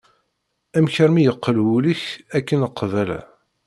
Amek armi yeqqel wul-ik akken qbala?